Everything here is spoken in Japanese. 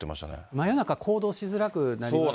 真夜中、行動しづらくなりますから。